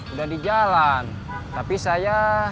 udah di jalan tapi saya